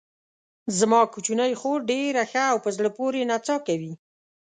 زما کوچنۍ خور ډېره ښه او په زړه پورې نڅا کوي.